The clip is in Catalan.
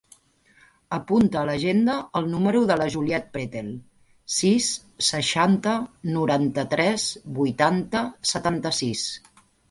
Apunta a l'agenda el número de la Juliet Pretel: sis, seixanta, noranta-tres, vuitanta, setanta-sis.